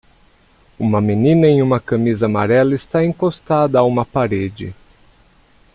Uma menina em uma camisa amarela está encostada a uma parede.